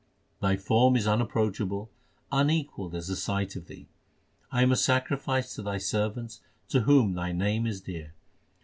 1 Thy form is unapproachable ; unequalled is a sight of Thee. I am a sacrifice to Thy servants to whom Thy name is dear.